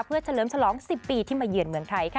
เพื่อเฉลิมฉลอง๑๐ปีที่มาเยือนเมืองไทยค่ะ